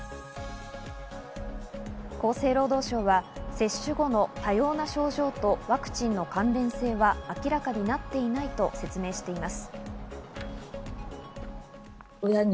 厚生労働省は接種後の多様な症状と、ワクチンの関連性は、明らかになっていないと説明しています。